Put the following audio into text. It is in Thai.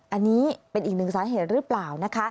อันนี้เป็นอีกหนึ่งสาเหตุหรือเปล่านะคะ